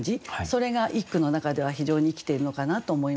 それが一句の中では非常に生きているのかなと思います。